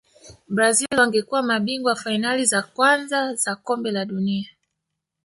brazil wangekuwa mabingwa wa fainali za kwanza za kombe la dunia